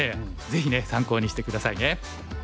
ぜひね参考にして下さいね。